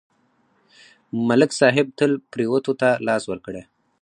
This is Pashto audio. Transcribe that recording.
ملک صاحب تل پرېوتو ته لاس ورکړی.